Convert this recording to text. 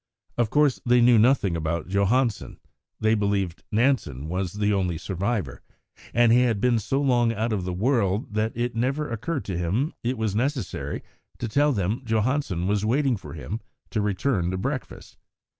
Of course they knew nothing about Johansen; they believed Nansen was the only survivor, and he had been so long out of the world that it had never occurred to him it was necessary to tell them Johansen was waiting for him to return to breakfast.